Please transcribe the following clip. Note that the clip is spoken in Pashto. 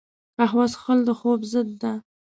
قهوه څښل د خوب ضد ده